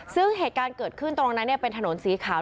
ซึ่งเหตุการณ์เกิดขึ้นตรงนั้นเป็นถนนสีขาว